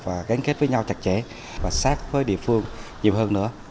và gánh kết với nhau chặt chẽ và sát với địa phương nhiều hơn nữa